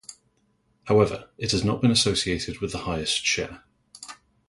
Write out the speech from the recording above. However, it has not been associated with the highest share.